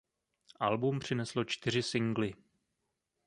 Album přineslo čtyři singly.